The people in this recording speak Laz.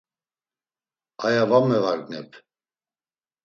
Aya va mevagnep.